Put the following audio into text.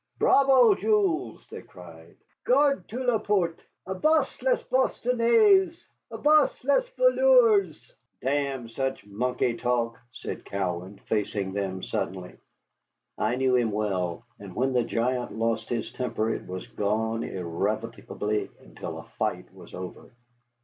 "Bravo, Jules!" they cried, "garde tu la porte. À bas les Bostonnais! À bas les voleurs!" "Damn such monkey talk," said Cowan, facing them suddenly. I knew him well, and when the giant lost his temper it was gone irrevocably until a fight was over.